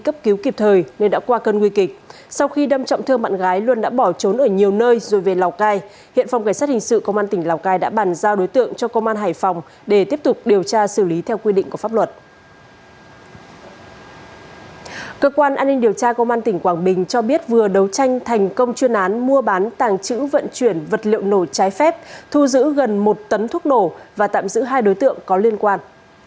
cơ quan an ninh điều tra công an tỉnh quảng bình cho biết vừa đấu tranh thành công chuyên án mua bán tàng chữ vận chuyển vật liệu nổ trái phép thu giữ gần một tấn thuốc nổ và tạm giữ hai đối tượng có liên quan